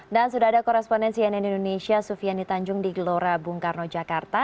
dan sudah ada koresponen cnn indonesia sufiani tanjung di gelora bung karno jakarta